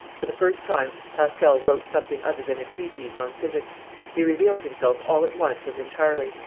For the first time Pascal wrote, something other than a treatise on physics. He revealed himself all at once and entirely.